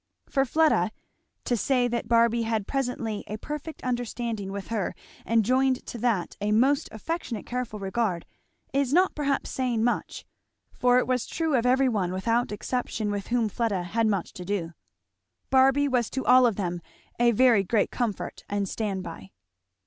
For Fleda, to say that Barby had presently a perfect understanding with her and joined to that a most affectionate careful regard, is not perhaps saying much; for it was true of every one without exception with whom Fleda had much to do. Barby was to all of them a very great comfort and stand by.